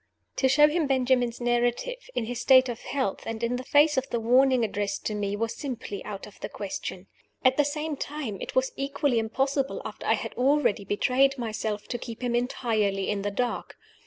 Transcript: To show him Benjamin's narrative, in his state of health, and in the face of the warning addressed to me, was simply out of the question. At the same time, it was equally impossible, after I had already betrayed myself, to keep him entirely in the dark.